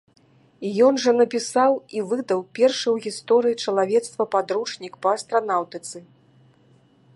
Ён жа напісаў і выдаў першы ў гісторыі чалавецтва падручнік па астранаўтыцы.